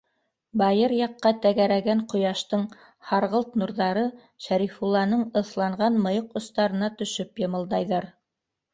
Байыр яҡҡа тәгәрәгән ҡояштың һарғылт нурҙары Шәрифулланың ыҫланған мыйыҡ остарына төшөп йымылдайҙар.